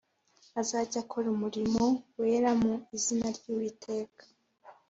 azajye akora umurimo wera mu izina ry Uwiteka